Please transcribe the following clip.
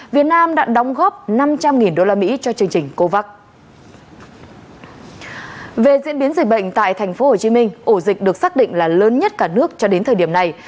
về diễn biến dịch bệnh tại tp hcm ổ dịch được xác định là lớn nhất cả nước cho đến thời điểm này